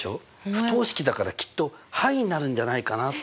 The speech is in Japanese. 不等式だからきっと範囲になるんじゃないかなって。